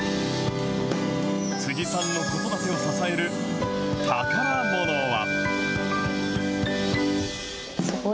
辻さんの子育てを支える宝ものは。